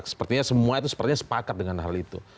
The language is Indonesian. sepertinya semua itu sepertinya sepakat dengan hal itu